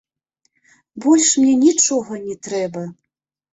Больш мне нічога не трэба.